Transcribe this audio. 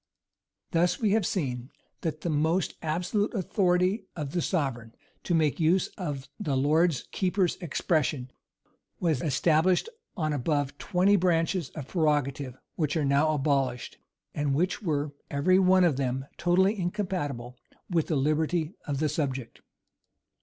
Thus we have seen, that the "most absolute" authority of the sovereign, to make use of the lord keeper's expression was established on above twenty branches of prerogative, which are now abolished, and which were, every one of them totally incompatible with the liberty of the subject.